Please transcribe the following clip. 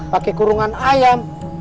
pake kurungan ayam